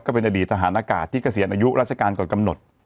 เป็นอดีตทหารอากาศที่เกษียณอายุราชการก่อนกำหนด